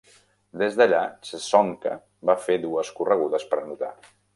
Des d'allà, Csonka va fer dues corregudes per anotar.